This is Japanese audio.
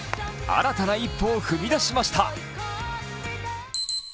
新たな一歩を踏み出しました。